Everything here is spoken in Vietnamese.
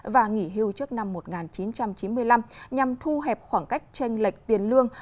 và nghỉ hưu trước năm một nghìn chín trăm chín mươi năm nhằm thu hẹp khoảng cách tranh lệch tiền lương